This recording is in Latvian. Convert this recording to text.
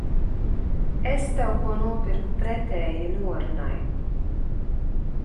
Es tev ko nopirku pretēji norunai.